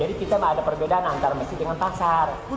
jadi kita ada perbedaan antara masjid dengan pasar